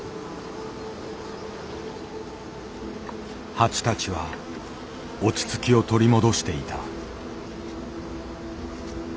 蜂たちは落ち着きを取り戻していた。